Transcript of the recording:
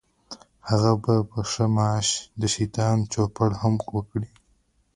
هغه به په ښه معاش د شیطان چوپړ هم وکړي.